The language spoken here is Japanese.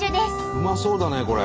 うまそうだねこれ。